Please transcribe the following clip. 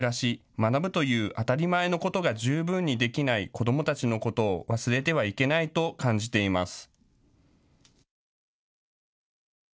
安心して暮らし、学ぶという当たり前のことが十分にできない子どもたちのことを忘れてはいけないと感じています。